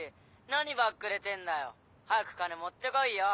何バックレてんだよ早く金持って来いよ。